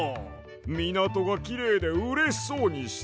みなとがきれいでうれしそうにしてる！